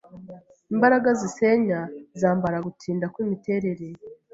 Imbaraga zisenya zambara Gutinda kwimiterere